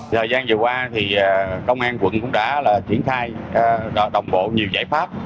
thời gian vừa qua thì công an quận cũng đã triển khai đồng bộ nhiều giải pháp